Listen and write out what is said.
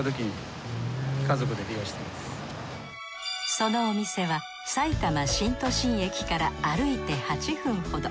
そのお店はさいたま新都心駅から歩いて８分ほど。